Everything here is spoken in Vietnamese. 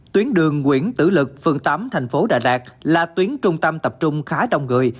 tuyến đường nguyễn tử lực phường tám thành phố đà lạt là tuyến trung tâm tập trung khá đông người